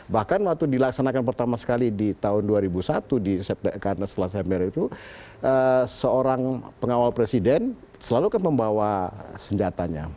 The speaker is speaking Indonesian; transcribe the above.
bahkan waktu dilaksanakan pertama sekali di tahun dua ribu satu karena setelah september itu seorang pengawal presiden selalu kan membawa senjatanya